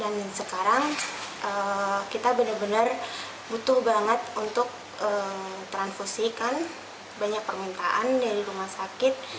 dan sekarang kita benar benar butuh banget untuk transfusikan banyak permintaan dari rumah sakit